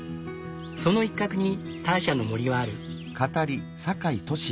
その一角にターシャの森はある。